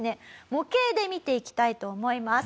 模型で見ていきたいと思います。